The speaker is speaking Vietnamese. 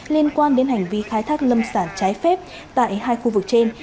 liên quan đến hành vi khai thác lâm sản trái phép tại hai khu vực trên